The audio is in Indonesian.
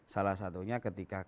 salah satunya ketika klinik ekspor